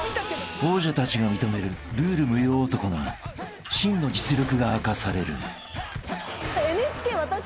［王者たちが認めるルール無用男の真の実力が明かされる］